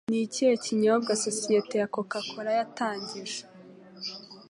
Ni ikihe kinyobwa sosiyete ya coca cola yatangije